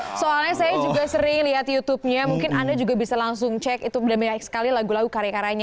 oke soalnya saya juga sering lihat youtubenya mungkin anda juga bisa langsung cek itu udah banyak sekali lagu lagu karya karyanya